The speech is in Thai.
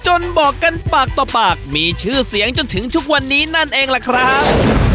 บอกกันปากต่อปากมีชื่อเสียงจนถึงทุกวันนี้นั่นเองล่ะครับ